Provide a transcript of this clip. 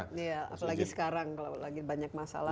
iya apalagi sekarang kalau lagi banyak masalah